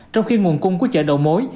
trong khi nguồn cung của chợ đầu mối